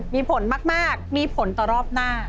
มีผลมากมีผลต่อรอบหน้า